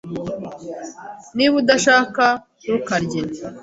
Niba udashaka, ntukarye.